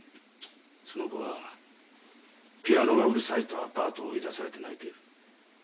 その子はピアノがうるさいとアパートを追い出されて泣いている。